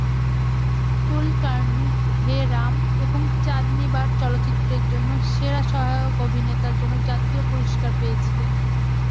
কুলকার্নি "হে রাম" এবং "চাঁদনী বার" চলচ্চিত্রের জন্য সেরা সহায়ক অভিনেতার জন্য জাতীয় পুরস্কার 'পেয়েছিলেন।